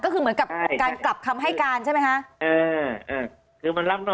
ก็คือเหมือนกับการกลับคำให้การใช่ไหมคะ